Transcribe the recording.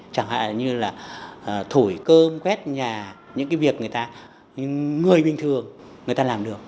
chẳng hạn như là thổi cơm quét nhà những cái việc người ta người bình thường người ta làm được